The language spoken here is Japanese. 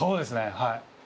はい。